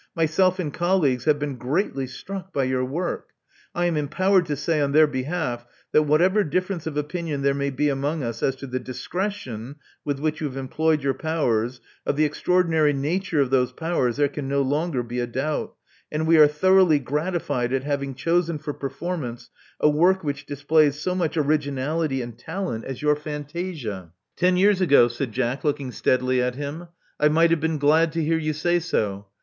''Myself and colleagues have been greatly struck by your work. I am empowered to say on their behalf that whatever difference of opinion there may be among us as to the discretion with which you have employed your powers, of the extraordinary nature of those powers there can no longer be a doubt; and we are thoroughly gratified at having chosen for performance a work which displays so much originality and talent as your fantasia," i8o Love Among the Artists Ten years ago," said Jack, looking steadily at him, I might have been glad to hear you say so.